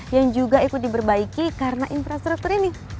yang juga ikut diperbaiki karena infrastruktur ini